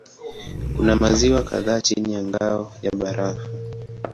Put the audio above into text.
Kuna maziwa kadhaa chini ya ngao ya barafu.